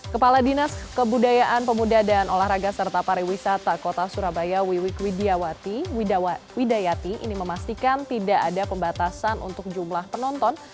kepala dinas kebudayaan pemuda dan olahraga serta pariwisata kota surabaya wiwik widayati ini memastikan tidak ada pembatasan untuk jumlah penonton